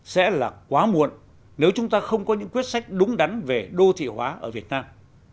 sẽ là quá muộn nếu chúng ta không có những quyết sách đúng đắn về đô thị hóa ở việt nam